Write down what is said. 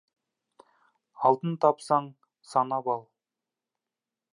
Алтын тапсаң, санап ал.